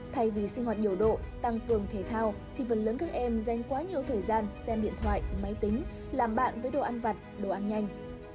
thay vì sinh hoạt điều độ tăng cường thể thao thì phần lớn các em dành quá nhiều thời gian xem điện thoại máy tính làm bạn với đồ ăn vặt đồ ăn nhanh